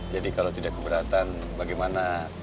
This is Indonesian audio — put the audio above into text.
jadi kejutan bagaimana